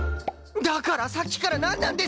だからさっきからなんなんです！？